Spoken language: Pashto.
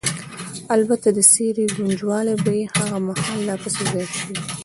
البته د څېرې ګونجوالې به یې هغه مهال لا پسې زیاتې شوې.